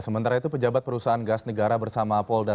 sementara itu pejabat perusahaan gas negara bersama pol dametra